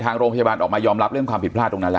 ทางโรงพยาบาลออกมายอมรับเรื่องความผิดพลาดตรงนั้นแล้ว